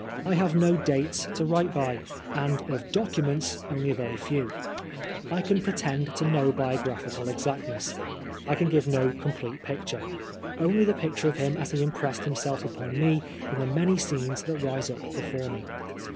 I have no dates to write by, and of documents only a very few. I can pretend to no biographical exactnesa I can give no complete picture ; only the picture of him as he impressed himself upon me in the many scenes that rise up before me.